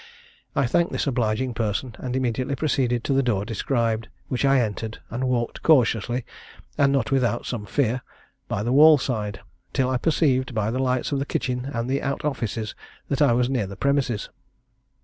I thanked this obliging person, and immediately proceeded to the door described, which I entered, and walked cautiously, and not without some fear, by the wall side, till I perceived, by the lights in the kitchen and out offices, that I was near the premises.